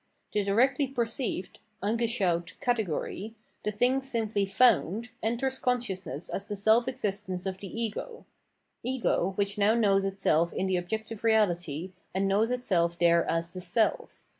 The directly perceived {angeschaut) category, the thing simply ^^found,"" enters consciousness as the self existence of the ego, — ego, which now knows itself in the objective reality, and knows itself there as the self.